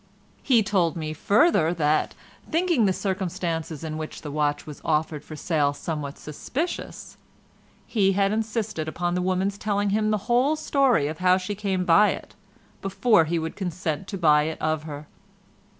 "He told me further that, thinking the circumstances in which the watch was offered for sale somewhat suspicious, he had insisted upon the woman's telling him the whole story of how she came by it, before he would consent to buy it of her.